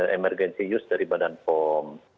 emergency use dari badan pom